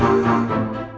terima kasih pak